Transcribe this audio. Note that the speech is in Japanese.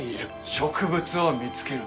植物を見つける。